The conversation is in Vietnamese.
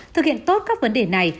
thực hiện tốt các vấn đề này